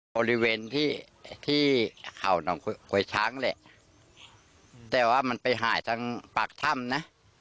บริเวณที่ที่เขาหนองกวยช้างแหละแต่ว่ามันไปหายทางปากถ้ำนะ